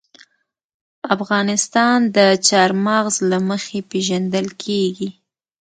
افغانستان د چار مغز له مخې پېژندل کېږي.